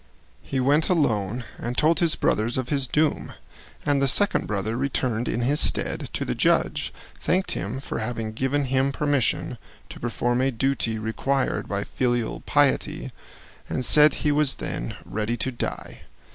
He went alone and told his brothers of his doom, and the second brother returned in his stead to the judge, thanked him for having given him permission to perform a duty required by filial piety, and said he was then ready to die.